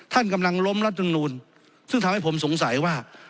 ท่านกำลังล้มรัฐมนูลซึ่งทำให้ผมสงสัยว่า